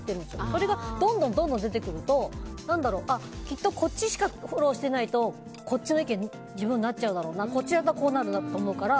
それがどんどん出てくるときっとこっちしかフォローしていないとこっちの意見に自分はなっちゃうだろうなこっちだったらこうなるなとか。